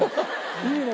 いいね！